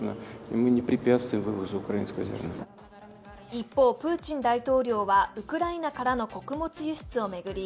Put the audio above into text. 一方、プーチン大統領はウクライナからの穀物輸出を巡り